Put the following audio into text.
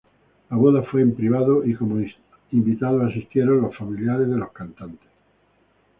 La boda fue en privado y como invitados asistieron los familiares de los cantantes.